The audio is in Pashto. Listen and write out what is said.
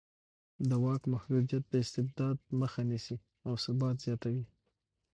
د واک محدودیت د استبداد مخه نیسي او ثبات زیاتوي